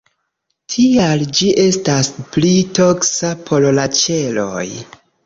Tial ĝi estas pli toksa por la ĉeloj.